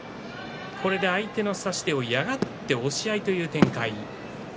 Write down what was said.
これで相手の差し手を嫌がって押し合いという展開。